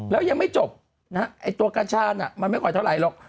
แล้วยังไม่จบนะฮะไอ้ตัวกัญชาน่ะมันไม่ค่อยเท่าไหร่หรอก